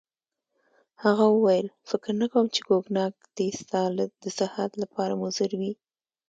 هغه وویل: فکر نه کوم چي کوګناک دي ستا د صحت لپاره مضر وي.